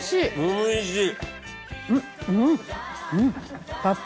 おいしい！